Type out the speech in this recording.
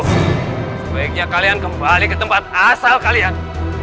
sebaiknya kalian kembali ke tempat asal kalian